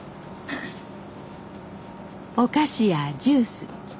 お菓子やジュース。